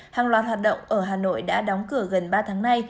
hàng loạt hoạt động ở hà nội đã đóng cửa gần ba tháng nay